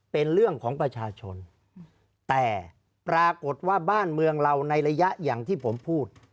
เป็นเรื่องของประชาชนแต่ปรากฏว่าบ้านเมืองเราในระยะอย่างที่ผมพูด